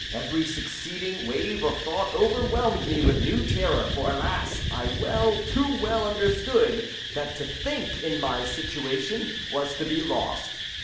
Every succeeding wave of thought overwhelmed me with new terror, for, alas! I well, too well understood that to think, in my situation, was to be lost.